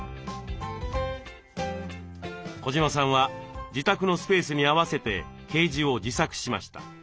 児島さんは自宅のスペースに合わせてケージを自作しました。